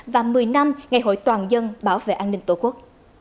và một mươi năm ngày hội toàn dân bảo vệ an ninh tổ quốc